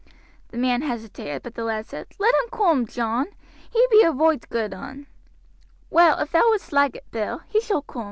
The man hesitated, but the lad said, "Let um coom, John, he bee a roight good un." "Well, if thou would'st like it, Bill, he shall coom."